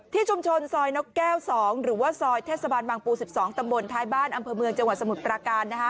ชุมชนซอยนกแก้ว๒หรือว่าซอยเทศบาลบางปู๑๒ตำบลท้ายบ้านอำเภอเมืองจังหวัดสมุทรปราการ